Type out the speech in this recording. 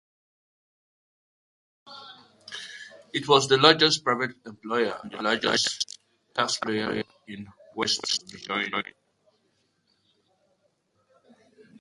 It was the largest private employer and the largest taxpayer in West Virginia.